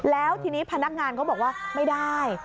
แล้วทีนี้พนักงานเขาบอกว่าไม่ได้